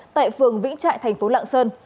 tại phường vĩnh trại thành phố lạng sơn